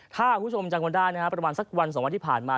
ถ้าคุณคุ้มจังกว่าได้ประมาณสักวันสองวันที่ผ่านมา